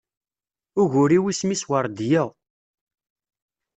Ugur-iw isem-is Werdiya.